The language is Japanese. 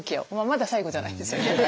まだ最後じゃないですけどね。